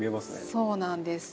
そうなんです。